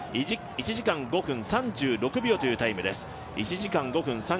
１時間５分３６秒というタイムです。